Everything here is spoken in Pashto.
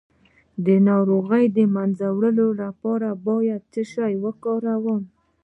د ناروغۍ د مینځلو لپاره باید څه شی وکاروم؟